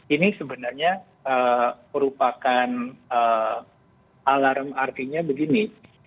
ini sebenarnya merupakan alarm artinya begini